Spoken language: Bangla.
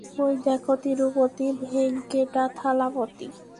ঐদেখো, তিরুপতি ভেংকেটাথালাপতি।